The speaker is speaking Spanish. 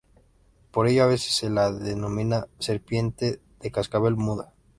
Por ello a veces se la denomina "serpiente de cascabel muda".